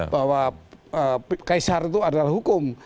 bahwa kaisar itu adalah hukum